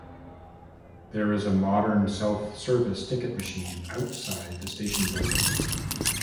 There is a modern self-service ticket machine outside the station building.